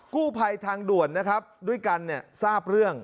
กู้ภัยทางด่วนนะครับด้วยกันเนี่ยทราบเรื่อง